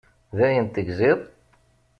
Dayen tegziḍ?